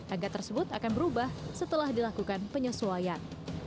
angka tersebut akan berubah setelah dilakukan penyesuaian